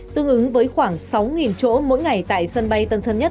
tương ứng với khoảng sáu chỗ mỗi ngày tại sân bay tân sơn nhất